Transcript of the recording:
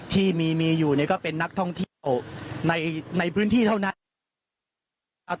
ที่มีอยู่ก็เป็นนักท่องเที่ยวในพื้นที่เท่านั้น